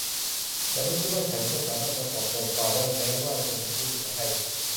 ฉันไม่คิดว่าฉันสามารถประกอบโซฟาได้ แม้ว่าจะมีคู่มือมาให้